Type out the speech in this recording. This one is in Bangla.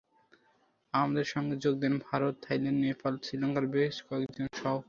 আমাদের সঙ্গে যোগ দেন ভারত, থাইল্যান্ড, নেপাল, শ্রীলঙ্কার বেশ কয়েকজন সহকর্মী।